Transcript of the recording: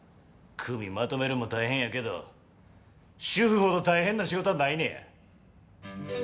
組まとめるんも大変やけど主婦ほど大変な仕事はないねや。